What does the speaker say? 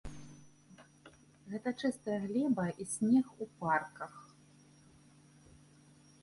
Гэта чыстая глеба і снег у парках.